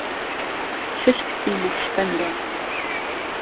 شهش کچی نهقشبهنده